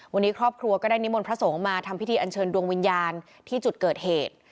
วันนี้ครอบครัวก็ได้นิมนต์พระสงฆ์มาทำพิธีอันเชิญดวงวิญญาณที่จุดเกิดเหตุ